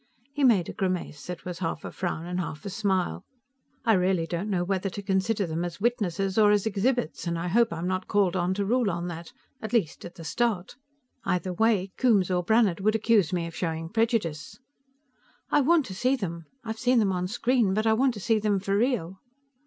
He made a grimace that was half a frown and half a smile. "I really don't know whether to consider them as witnesses or as exhibits, and I hope I'm not called on to rule on that, at least at the start. Either way, Coombes or Brannhard would accuse me of showing prejudice." "I want to see them. I've seen them on screen, but I want to see them for real."